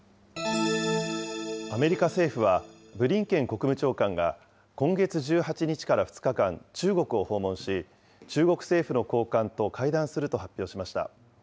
アメリカ政府はブリンケン国務長官が、今月１８日から２日間、中国を訪問し、中国政府の高官と会談すると発表しました。